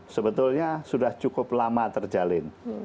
sebetulnya sudah cukup lama terjalin